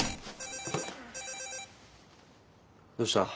どうした？